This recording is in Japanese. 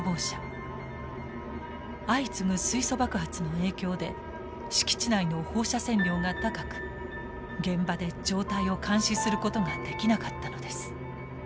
相次ぐ水素爆発の影響で敷地内の放射線量が高く現場で状態を監視することができなかったのです。